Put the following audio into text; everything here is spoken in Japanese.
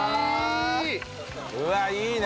うわっいいね！